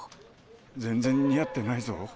全然似合ってないぞ。